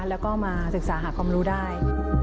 แล้วก็มาศึกษาหาความรู้ได้